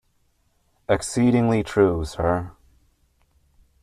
Exceedingly true, sir.